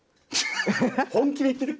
本気で言ってる？